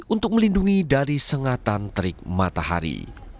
untuk melindungi dari sengatan terik matahari